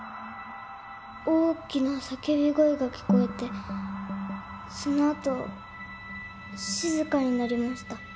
大きな叫び声が聞こえてそのあと静かになりました。